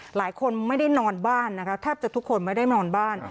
หลายคนไม่ได้นอนบ้านนะคะแทบจะทุกคนไม่ได้นอนบ้าน